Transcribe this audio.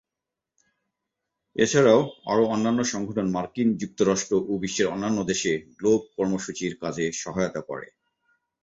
এছাড়াও আরও অন্যান্য সংগঠন মার্কিন যুক্তরাষ্ট্র ও বিশ্বের অন্যান্য দেশে গ্লোব কর্মসূচির কাজে সহায়তা করে।